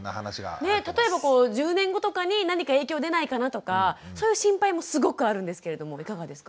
ねっ例えばこう１０年後とかに何か影響出ないかなとかそういう心配もすごくあるんですけれどもいかがですか？